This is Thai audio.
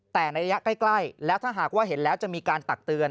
แต่ในระยะใกล้แล้วถ้าหากว่าเห็นแล้วจะมีการตักเตือน